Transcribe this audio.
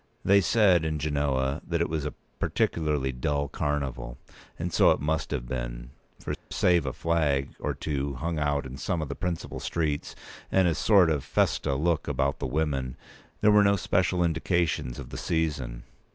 They said in Genoa that it was a particularly dull carnival; and so it must have been; for, save a flag or two hung out in some of the principal streets, and a sort of festa look about the women, there were no special indications of the season.